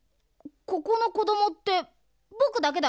ここのこどもってぼくだけだよ。